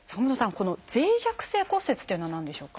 この脆弱性骨折というのは何でしょうか？